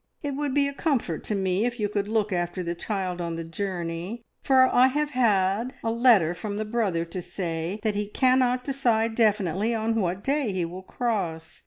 It would be a comfort to me if you could look after the child on the journey, for I have had a letter from the brother to say that he cannot decide definitely on what day he will cross.